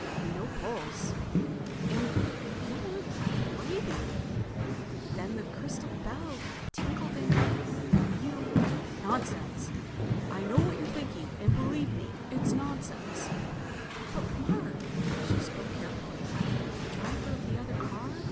"No pulse?" "And you weren't—breathing. Then the crystal bell tinkled and you—you...." "Nonsense! I know what you're thinking and believe me—it's nonsense!" "But Mark." She spoke carefully. "The driver of the other car.